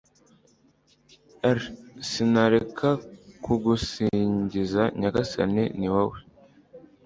r/ sinareka kugusingiza nyagasani, ni wowe